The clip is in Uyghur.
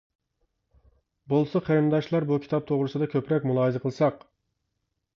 بولسا قېرىنداشلار بۇ كىتاب توغرىسىدا كۆپرەك مۇلاھىزە قىلساق.